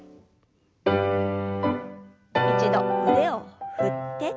一度腕を振って。